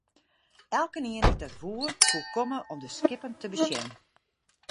Elkenien dy't dat woe, koe komme om de skippen te besjen.